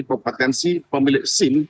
kompetensi pemilik sim